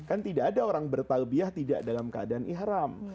kan tidak ada orang bertalbiah tidak dalam keadaan ikhram